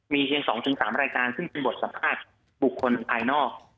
มีเพียง๒๓รายการซึ่งเป็นบทสัมภาษณ์บุคคลภายนอก